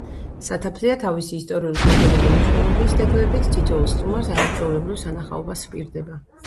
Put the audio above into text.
სათაფლია თავისი ისტორიულ-კულტურული მნიშვნელობის ძეგლებით, თითოეულ სტუმარს, არაჩვეულებრივ სანახაობას ჰპირდება.